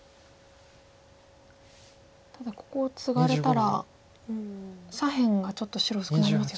ただここをツガれたら左辺がちょっと白薄くなりますよね。